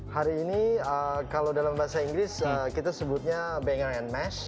hari ini kalau dalam bahasa inggris kita sebutnya banker and masch